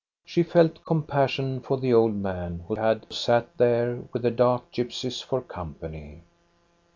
She felt compassion for the old man who had sat there with the dark gypsies for company.